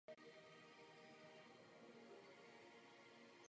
Je tato politika realizována?